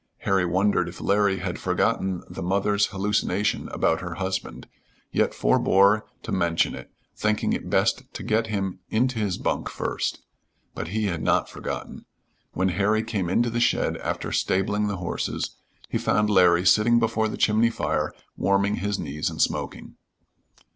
Harry wondered if Larry had forgotten the mother's hallucination about her husband, yet forbore to mention it, thinking it best to get him into his bunk first. But he had not forgotten. When Harry came into the shed after stabling the horses, he found Larry sitting before the chimney fire warming his knees and smoking.